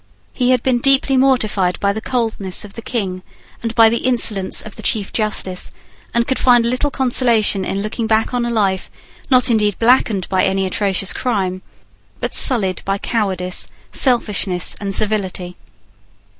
He had been deeply mortified by the coldness of the King and by the insolence of the Chief Justice, and could find little consolation in looking back on a life, not indeed blackened by any atrocious crime, but sullied by cowardice, selfishness, and servility.